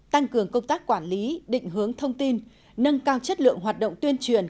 tăng cường công tác quản lý định hướng thông tin nâng cao chất lượng hoạt động tuyên truyền